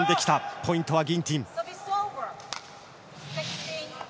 ポイントはギンティン。